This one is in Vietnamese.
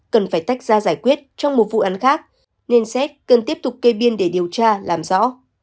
cần phải tách ra giải quyết trong một vụ án khác nên xét cần tiếp tục kê biên để điều tra làm rõ